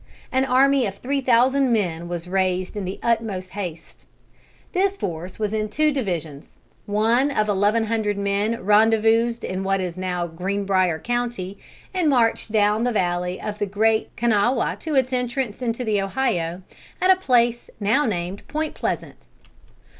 An army of three thousand men was raised in the utmost haste. This force was in two divisions. One of eleven hundred men rendezvoused in what is now Green Briar county, and marched down the valley of the Great Kanawha, to its entrance into the Ohio, at a place now named Point Pleasant.